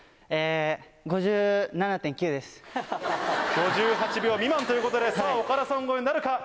５８秒未満ということで岡田さん超えなるか？